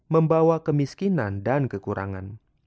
membawa kemiskinan dan kekurangan